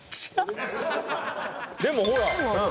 でもほら。